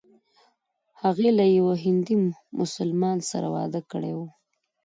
هغې له یوه هندي مسلمان سره واده کړی و.